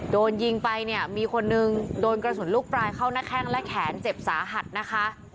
โดนยิงไปเนี่ยมีคนนึงโดนกระสุนลูกปลายเข้าหน้าแข้งและแขนเจ็บสาหัสนะคะ